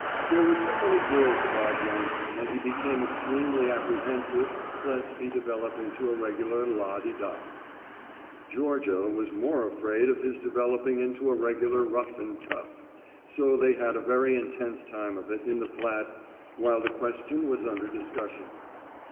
There were too many girls about one and he became extremely apprehensive lest he develop into a regular lah de dah. Georgia was more afraid of his developing into a regular rough and tough, so they had a very intense time of it in the flat while the question was under discussion.